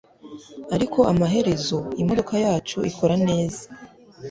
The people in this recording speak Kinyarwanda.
ariko amaherezo imodoka yacu ikora neza